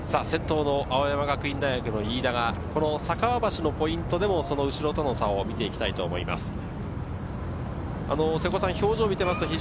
先頭、青山学院大学の飯田が酒匂橋のポイントでも後ろとの差を見ていきたいと思います。